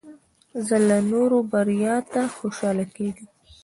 زه د نورو بریا ته خوشحاله کېږم.